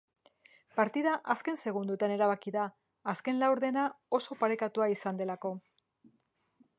Partida azken segundoetan erabaki da, azken laurdena oso parekatua izan delako.